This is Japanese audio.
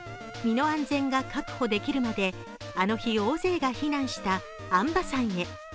身の安全が確保できるまであの日、大勢が避難した安波山へ。